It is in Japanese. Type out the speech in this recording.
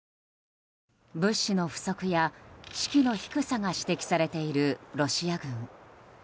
物資の不足や士気の低さが指摘されているロシア軍。